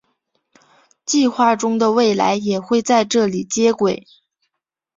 规划中的未来也会在这里接轨。